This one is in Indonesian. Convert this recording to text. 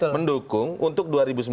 mendukung untuk dua ribu sembilan belas